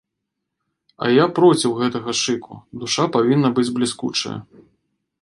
А я проціў гэтага шыку, душа павінна быць бліскучая!